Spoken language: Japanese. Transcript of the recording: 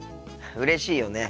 うれしいよね。